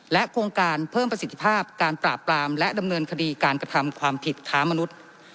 โครงการเพิ่มประสิทธิภาพการปราบปรามและดำเนินคดีการกระทำความผิดค้ามนุษย์